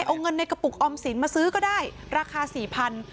เอาเงินในกระปุกออมสินมาซื้อก็ได้ราคาสี่พัน